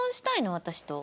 私と」。